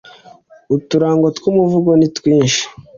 uturango tw’umuvugo ni twinshi